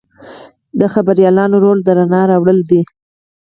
د خبریالانو رول د رڼا راوړل دي.